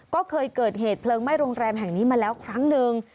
ก็เคยเกิดเหตุเพลิงไหม้โรงแรมแห่งนี้มาแล้วครั้งหนึ่ง